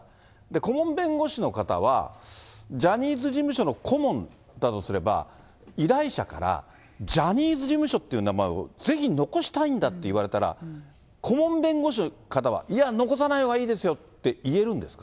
顧問弁護士の方は、ジャニーズ事務所の顧問だとすれば、依頼者から、ジャニーズ事務所っていう名前をぜひ残したいんだって言われたら、顧問弁護士の方は、いや、残さないほうがいいですよって、言えるんですか。